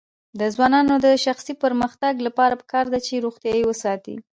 د ځوانانو د شخصي پرمختګ لپاره پکار ده چې روغتیا وساتي.